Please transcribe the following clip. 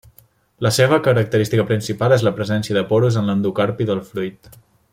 La seva característica principal és la presència de porus en l'endocarpi del fruit.